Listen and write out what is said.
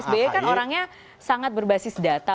iya karena pak sbe kan orangnya sangat berbasis data